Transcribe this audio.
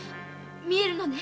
見えるのね。